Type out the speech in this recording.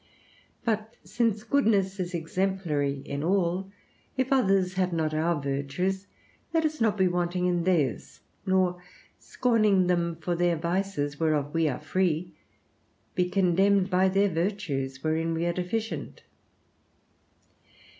But since goodness is exemplary in all, if others have not our virtues, let us not be wanting in theirs; nor, scorning them for their vices whereof we are free, be condemned by their virtues wherein we are deficient.